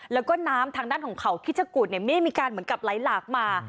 แล้วก็น้ำทางด้านของเขาคิชกุฎไม่ได้มีการเหมือนกับไหลหลากมา